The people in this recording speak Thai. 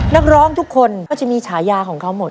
นักร้องทุกคนก็จะมีฉายาของเขาหมด